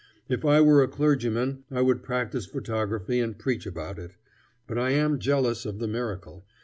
If I were a clergyman I would practise photography and preach about it. But I am jealous of the miracle.